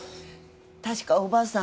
確かおばあさん